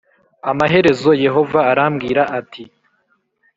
amaherezo yehova arambwira ati